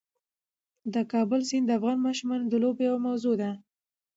د کابل سیند د افغان ماشومانو د لوبو یوه موضوع ده.